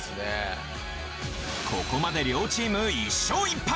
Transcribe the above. ここまで両チーム１勝１敗。